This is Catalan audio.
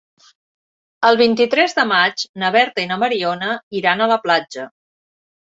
El vint-i-tres de maig na Berta i na Mariona iran a la platja.